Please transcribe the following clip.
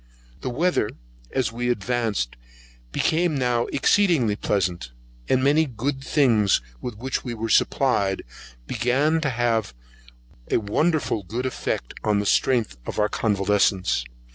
The weather, as we advanced, became now exceedingly pleasant, and the many good things with which we were supplied, began to have a wonderful good effect on the strength of our convalescents.